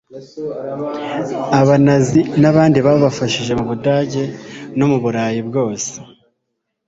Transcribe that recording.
abanazi n'abandi babafashije mu budage no mu burayi bwose